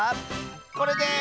これです！